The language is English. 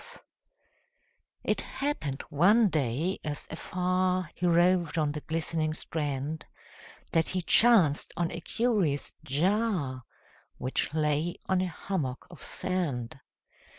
It happened one day, as afar He roved on the glistening strand, That he chanced on a curious jar, Which lay on a hummock of sand.